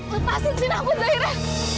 lepasin sini aku zahira